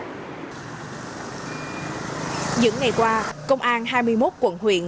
những ngày qua công an hai mươi một quận huyện